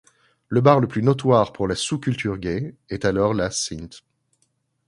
Le bar le plus notoire pour la sous-culture gaie est alors la St.